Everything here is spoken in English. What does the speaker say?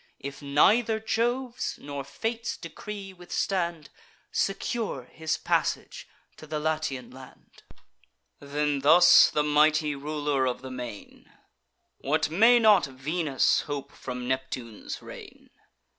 If neither Jove's nor Fate's decree withstand, Secure his passage to the Latian land." Then thus the mighty Ruler of the Main: "What may not Venus hope from Neptune's reign?